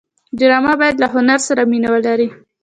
ډرامه باید له هنر سره مینه ولري